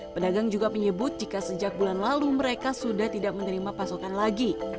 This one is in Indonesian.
pedagang juga menyebut jika sejak bulan lalu mereka sudah tidak menerima pasokan lagi